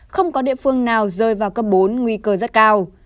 không có địa phương nào rơi vào cấp bốn nguy cơ rất cao